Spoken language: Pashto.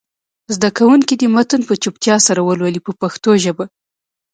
زده کوونکي دې متن په چوپتیا سره ولولي په پښتو ژبه.